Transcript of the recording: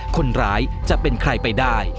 คนร้ายจะเป็นใครไปได้